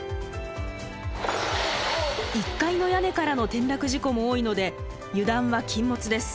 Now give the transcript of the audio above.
１階の屋根からの転落事故も多いので油断は禁物です。